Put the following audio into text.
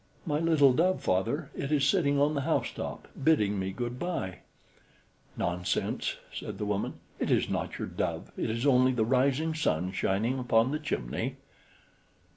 "My little dove, father. It is sitting on the housetop, bidding me good by." "Nonsense," said the woman, "it is not your dove; it is only the rising sun shining upon the chimney."